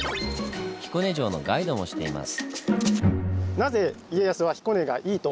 彦根城のガイドもしています。